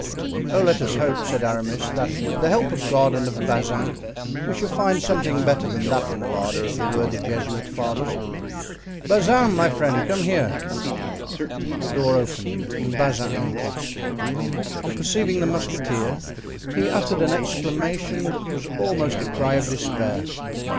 "Oh, let us hope," said Aramis, "that with the help of God and of Bazin we shall find something better than that in the larder of the worthy Jesuit fathers. Bazin, my friend, come here." The door opened and Bazin entered; on perceiving the musketeer he uttered an exclamation that was almost a cry of despair.